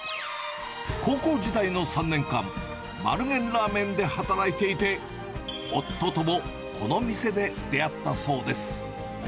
高校時代の３年間、丸源ラーメンで働いていて、夫ともこの店で出会ったそうです。